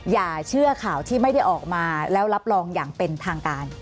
อย่าเชื่อข่าวที่ไม่ได้ออกมาแล้วรับรองอย่างเป็นทางการ